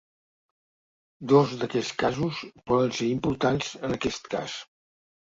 Dos d’aquests casos poden ser importants en aquest cas.